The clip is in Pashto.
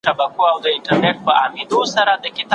خپل تر لاس لاندي کسان بايد تل ونازوئ.